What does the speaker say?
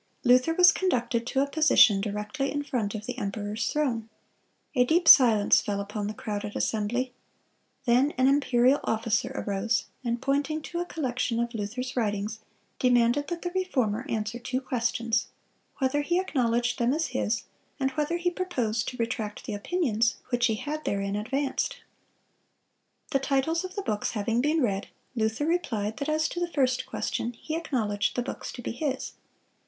Luther was conducted to a position directly in front of the emperor's throne. A deep silence fell upon the crowded assembly. Then an imperial officer arose, and pointing to a collection of Luther's writings, demanded that the Reformer answer two questions,—whether he acknowledged them as his, and whether he proposed to retract the opinions which he had therein advanced. The titles of the books having been read, Luther replied that as to the first question, he acknowledged the books to be his.